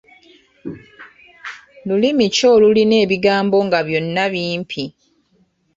Lulimi ki olulina ebigambo nga byonna bimpi?